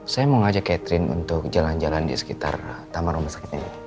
saya mau ngajak catherine untuk jalan jalan di sekitar taman rumah sakit ini